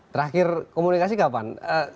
terakhir komunikasi kapan